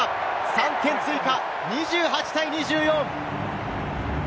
３点追加、２８対２４。